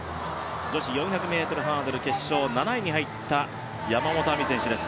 女子４００ｍハードル、決勝７位に入った山本亜美選手です。